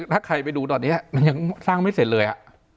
ถ้าใครไปดูตอนนี้มันยังสร้างไม่เสร็จเลย